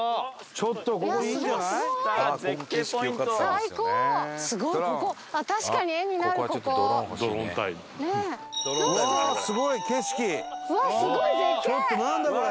ちょっとなんだこれ！